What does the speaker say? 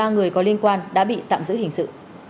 một mươi ba người có liên quan đã bị tạm giữ hình sự